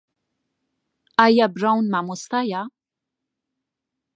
ئایا براون مامۆستایە؟